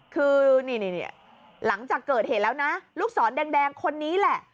คือนี่หลังจากเกิดเหตุแล้วนะลูกศรแดงคนนี้แหละ